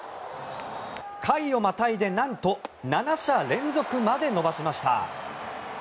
回をまたいで、なんと７者連続まで伸ばしました。